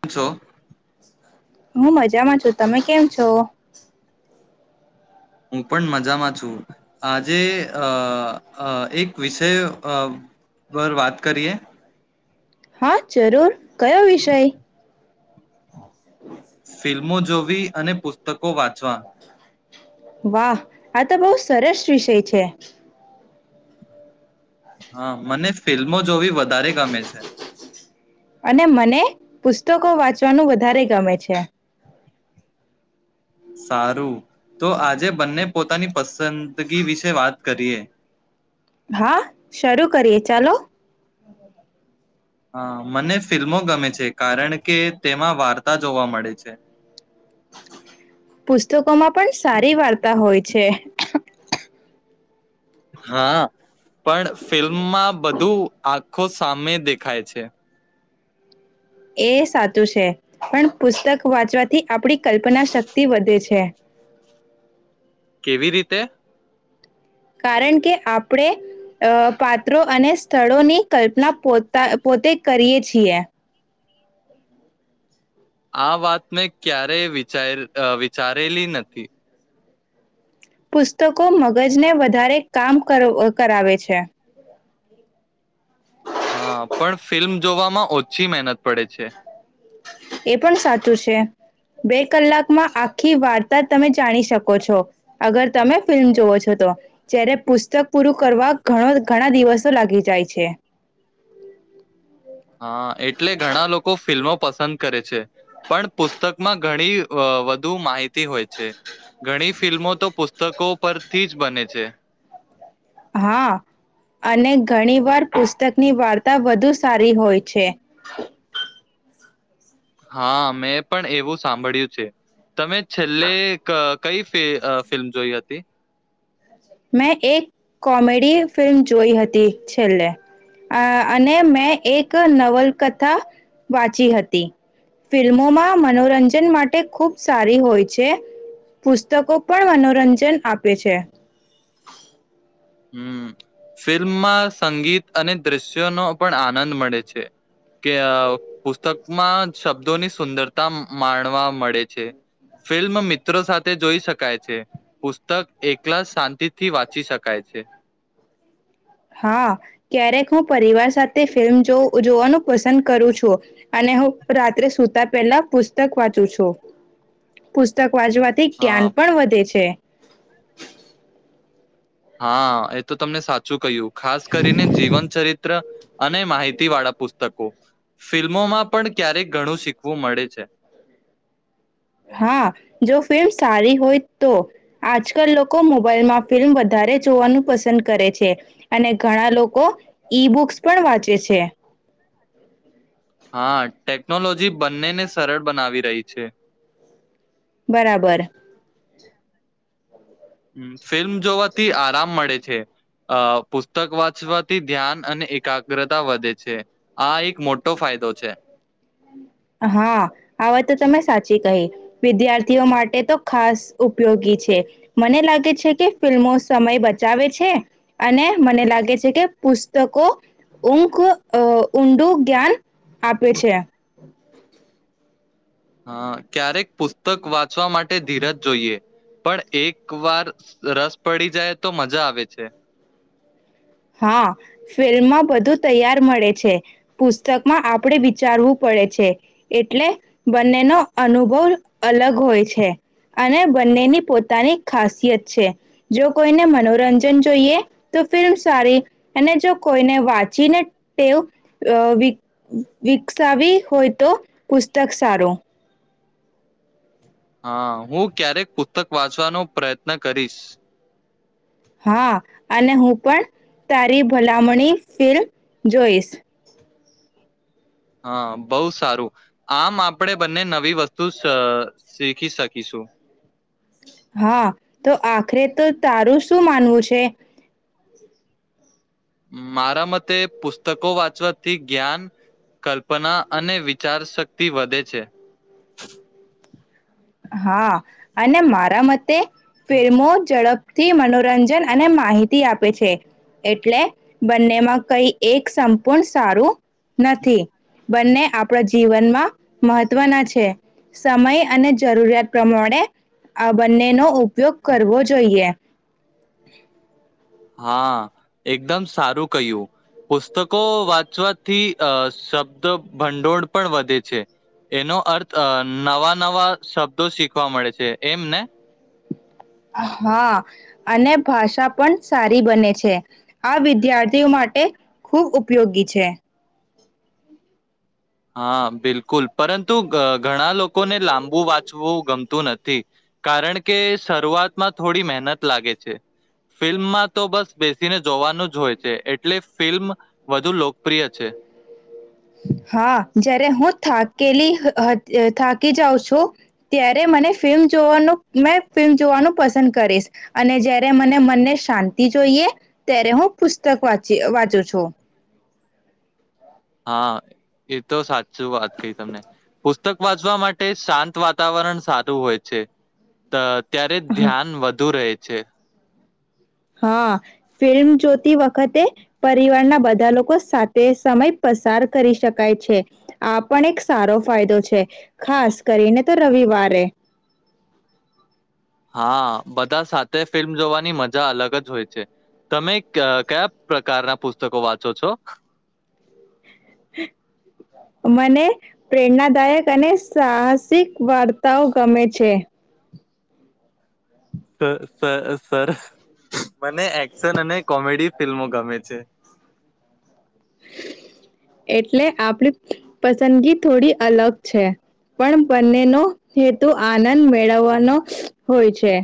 કેમ છો? હું મજામાં છું. તમે કેમ છો? હું પણ મજામાં છું. આજે એક વિષય પર વાત કરીએ. હા જરૂર કયો વિષય? સીલ [unintelligible] જોવી અને પુસ્તકો વાચ [unintelligible] વાહ આ તો બહ સરસ વિષય છે. હા મને ફિલ્મો જોવી વધારે ગમે છે. અને મને પુસ્તકો વાંચવાનું વધારે ગમે છે. સારું તો આજે બંને પોતાની પસંદગી વિશે વાત કરીએ. હા શરૂ કરીએ ચાલો. હા મને ફિલ્મો ગમે છે. કારણ કે તેમાં વાર્તા જોવા મળે છે. પુસ્તકો માં પણ સારી વાર્તા હોય છે. [unintelligible] હા પણ ફિલ્મમાં બધું આખો સામે દેખાય છે. એ સાચું છે. પણ પુસ્તક વાંચવાથી આપણી કલ્પના શક્તિ વધે છે. કેવી રીતે? કારણ કે આપણે અ પાત્રો અને સ્થળોની કલ્પના પોતા પોતે કરીએ છીએ. આ વાત મેં ક્યારેય વિચાર વિચારેલી નથી. પુસ્તકો મગજને વધારે કામ કર-કરાવે છે. હા, પણ ફિલ્મ જોવામાં ઓછી મહેનત પડે છે. એ પણ સાચું છે બે કલાકમાં આખી વાર્તા તમે જાણી શકો છો અગર તમે ફિલ્મ જોવ છો તો જ્યારે પુસ્તક પૂરું કરવા ઘણો-ઘણા દિવસો લાગી જાય છે. હા, એટલે ઘણા લોકો ફિલ્મો પસંદ કરે છે પણ પુસ્તકમાં ઘણી અ વધુ માહિ તી હોય છે ઘણી ફિલ્મો તો પુસ્તકો પરથી જ બને છે. હા, અને ઘણી વાર પુસ્તકની વાર્તા વધુ સારી હોય છે. હા, મેં પણ એવું સાંભળ્યું છે. તમે છેલ્લેક કઈ ફિલ્મ જોઈ હતી? મેં એક કોમેડી ફિલ્મ જોઈ હતી છેલ્લે અ અને મેં એક નવલકથા વાંચી હતી. ફિલ્મોમાં મનોરંજન માટે ખૂબ સારી હોય છે. પુસ્તકો પણ મનોરંજન આપે છે. હમ્મ, ફિલ્મમાં સંગીત અને દ્રશ્યોનો પણ આનંદ મળે છે કે પુસ્તકમાં શબ્દોની સુંદરતા માણવા મળે છે. ફિલ્મ મિત્રો સાથે જોઈ શકાય છે. પુસ્તક એકલા જ શાંતિથી વાંચી શકાય શકાય છે. હા, ક્યારેક હું પરિવાર સાથે ફિલ્મ જોવું-જોવાનું પસંદ કરું છું અને હું રાત્રે સુતા પહેલા પુસ્તક વાંચું છું. પુસ્તક વાંચવાથી હા. જ્ઞાન પણ વધે છે. હા, એ તો તમને સાચું કહ્યું. ખાસ કરીને જીવન ચરિત્ર અને માહિતી વાળા પુસ્તકો. ફિલ્મોમાં પણ ક્યારેક ઘણું શીખવું મળે છે. હા, જો ફિલ્મ સારી હોય તો આજકાલ લોકો મોબાઈલમાં ફિલ્મ વધારે જોવાનું પસંદ કરે છે અને ઘણા લોકો ઈ-બુક્સ પણ વાંચે છે. હા, ટેકનોલોજી બંનેને સરળ બનાવી રહી છે. બરાબર. ફિલ્મ જોવાથી આરામ મળે છે અ પુસ્તક વાંચવાથી ધ્યાન અને એકાગ્રતા વધે છે આ એક મોટો ફાયદો છે. હા, આ વાત તો તમે સાચી કહી વિદ્યાર્થીઓ માટે તો ખાસ ઉપયોગી છે મને લાગે છે કે ફિલ્મો સમય બચાવે છે અને મને લાગે છે કે પુસ્તકો ઊખ અ ઊંડું જ્ઞાન આપે છે. હા, ક્યારેક પુસ્તક વાત વાચવા માટે ધીરજ જોઈએ. પણ એક વાર રસ પડી જાય તો મજા આવે છે. હા, ફિલ્મમાં બધું તૈયાર મળે છે પુસ્તકમાં આપણે વિચારવું પડે છે એટલે બંનેનો અનુભવ અલગ હોય છે અને બંનેની પોતાની ખાસિયત છે. જો કોઈને મનોરંજન જોઈએ તો ફિલ્મ્સ સારી અને જો કોઈને વાંચીને ટેવ અ વિક-વિકસાવી હોય તો પુસ્તક સારું. હા, હું ક્યારેક પુસ્તક વાંચવાનો પ્રયત્ન કરીશ. હા, અને હું પણ તારી ભલામણી ફિલ્મ જોઈશ. હા, બહુ સારું. આમ આપણેે બંને નવી વસ્તુ સ શીખી શકીશું. હા, તો આખરે તો તારું શું માનવું છે? મારા મતે પુસ્તકો વાંચવાથી જ્ઞાન, કલ્પના અને વિચારશક્તિ વધે છે. હા, અને મારા મતે તે ફિલ્મો ઝડપ થી મનોરંજન અને માહિતી આપે છે એટલે બંનેમાં કઈ એક સંપૂર્ણ સારું નથી. બંને આપણા જીવનમાં મહત્વના છે. સમય અને જરૂરિયાત પ્રમાણે આ બંને નો ઉપ ઉપયોગ કરવો જોઈએ. [inaudible] હા, એકદમ સારું કહ્યું. પુસ્તકો વાંચવાથી અ શબ્દ ભંડોળ પણ વધે છે એનો અર્થ નવા-નવા શબ્દો શીખવા મળે છે એમ ને? હા અને ભાષા પણ સારી બને છે. આ વિદ્યાર્થીઓ માટે ખૂબ ઉપયોગી છે. હા બિલકુલ પરંતુ ઘણા લોકોને લાંબુ વાંચવું ગમતું નથી. કારણ કે શરૂઆતમાં થોડી મહેન નત લાગે છે. ફિલ્મમાં તો બસ બેસીને જોવાનું જ હોય છે. એટલે ફિલ્મ વધુ લોકપ્રિય છે. હા જ્યારે હું થાકેલી હતી થાકી જાઉં છું. ત્યારે મને ફિલ્મ જોવાનું મે ફિલ્મ જોવાનું પસંદ કરીશ અને જ્યારે મને મનને શાંતિ જોઈએ ત્યારે હું પુસ્તક વાચી વાંચું છું. હા એ તો સાચું વાત કહી તમને પુસ્તક વાંચવા માટે શાંત વાતાવરણ સારું હોય છે. ત્યારે ધ્યાન વધુ રહે છે. હા ફિલ્મ જોતી વખતે પરિવારના બધા લોકો સાથે સમય પસાર કરી શકાય છે. આ પણ એક સારો ફાયદો છે. ખાસ કરીને તો રવિવારે હા બધા સાથે ફિલ્મ જોવાની મજા અલગ જ હોય છે. તમે કયા પ્રકારના પુસ્તકો વાંચો છો? મને પ્રેરણાદાયક અને સાહસિક વાર્તાઓ ગમે છે. સર સર મને એક્શન અને કોમેડી ફિલ્મો ગમે છે. એટલે આપડી પસંદગી થોડી અલગ છે. પણ બંનેનો હેતુ આનંદ મેળવવાનો હોય છે.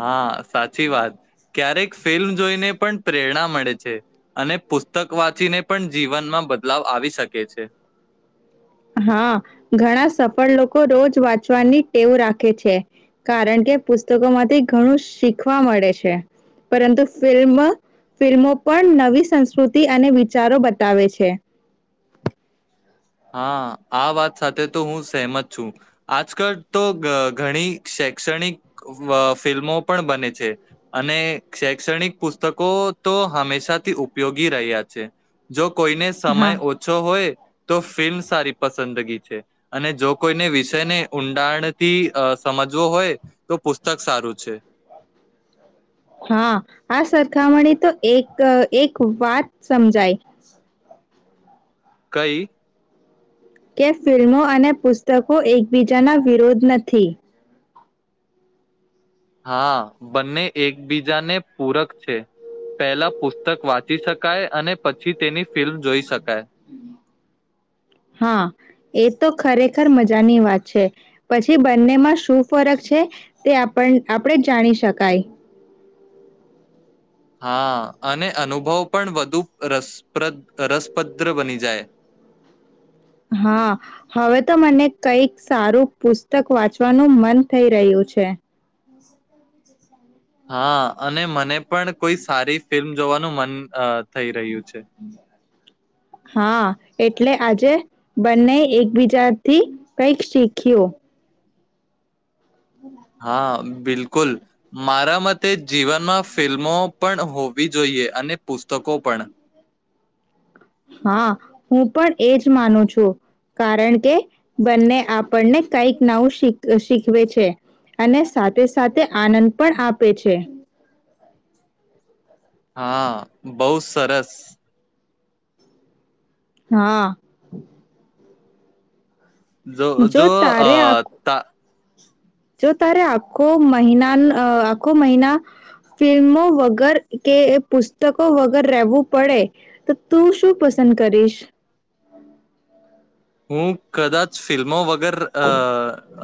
હા સાચી વાત ક્યારેક ફિલ્મ જોઈને પણ પ્રેરણા મળે છે. અને પુસ્તક વાંચીને પણ જીવનમાં બદલાવ આવી શકે છે. હા ઘણા સફળ લોકો રોજ વાંચવાની ટેવ રાખે છે. કારણ કે પુસ્તકો માંથી ઘણું શીખવા મળે છે પરંતુ ફિલ્મ ફિલ્મો પણ નવી સંસ્કૃતિ અને વિચારો બતાવે છે હા આ વાત સાથે તો હું સમત છું. આજકાલ તો ઘણી શૈક્ષણિક ફિલ્મો પણ બને છે. અને શૈક્ષણિક પુસ્તકો તો હંમેશાથી ઉપયોગી રહ્યા છે જો કોઈને હા સમય ઓછો હોય તો ફિલ્મ સારી પસંદગી છે. અને જો કોઈને વિષયને ઊંડાણથી સમજવો હોય તો પુસ્તક સારું છે. હા આ સરખામણી તો એક એક વાત સમજાય કઈ? કે ફિલ્મો અને પુસ્તકો એકબીજાના વિરોધ નથી. હા બંને એકબીજાને પૂરક છે. પહેલા પુસ્તક વાંચી શકાય અને પછી તેની ફિલ્મ જોઈ શકાય. હા એ તો ખરેખર મજાની વાત છે. પછી બંનેમાં શું ફરક છે. તે આપ આપણે જાણી શકાય. હા અને અનુભવ પણ વધુ રસપદ્ર બની જાય. હા હવે ઉતમ અને કઈક સારું પુસ્તક વાંચવાનું મન થઈ રહ્યું છે. હા અને મને પણ કોઈ સારી ફિલ્મ જોવાનું મન થઈ રહ્યું છે. હા એટલે આજે બંને એકબીજાથી કઈક શીખ્યું. હા બિલકુલ મારા મતે જીવનમાં ફિલ્મો પણ હોવી જોઈએ અને પુસ્તકો પણ હા હું પણ એજ માનું છું. કારણ કે બંને આપણને કઈક નાવું શીખવે છે. અને સાથે-સાથે આનંદ પણ આપે છે. હા બહુ સરસ. હા. જો જો અ તારે આખું ત જો તારે આખો મહિના આખો મહિના ફિલ્મો વગર કે પુસ્તકો વગર રહેવું પડે તો તું શું પસંદ કરીશ? હું કદાચ ફિલ્મો વગર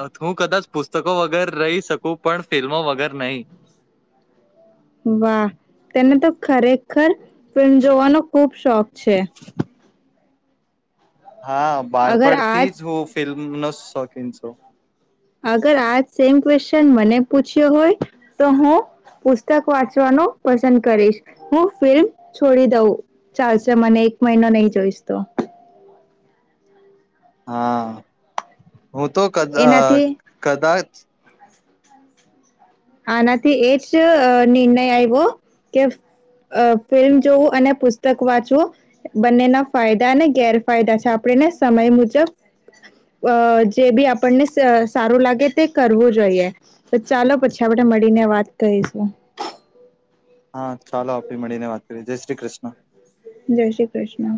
અ હું કદાચ પછ પુસ્તકો વગર રહી શકું પણ ફિલ્મો વગર નહીં. વાહ તેને તો ખરેખર ફિલ્મ જોવાનો ખુબ શોખ છે. હા અગર બાારપડથી આજ જ હું ફિલ્મ ન સકી છો? અગર આ સેમ ક્વેશચન મને પૂછ્યો હોય. તો હું પુસ્તક વાંચવાનું પસંદ કરીશ. હું ફિલ્મ છોડી દઉં ચાલશે. મને એક મહિનો નહી જોઈશ તો હા. હું તો કદા એનાથી કદાચ આનાથી એ જ નિર્ણય આવ્યો કે ફિલ્મ જોવું અને પુસ્તક વાંચવું બંનેના ફાયદા અને ગેરફાયદા છે આપણેને સમય મુજબ જે બી આપણને સારું લાગે તે કરવું જોઈએ તો ચાલો પછી. આપણેે મળીને વાત કરીશું. હા ચાલો આપે મળીને વાત કરીએ જય શ્રી કૃષ્ણ. જય શ્રી કૃષ્ણ.